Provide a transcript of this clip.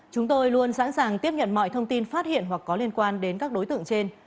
chúng tôi luôn sẵn sàng tiếp nhận mọi thông tin phát hiện hoặc có liên quan đến các đối tượng trên